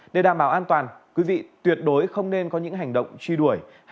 để đảm bảo an toàn quý vị tuyệt đối không nên có những hành động truy đuổi